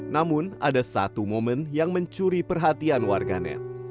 namun ada satu momen yang mencuri perhatian warganet